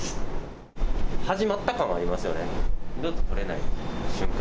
始まった感はありますよね。